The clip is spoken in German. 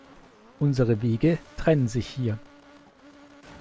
Unsere Wege trennen sich hier.